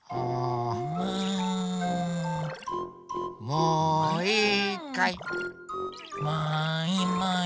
もういいかい？もいもい。